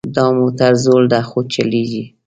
دا موټر زوړ ده خو چلیږي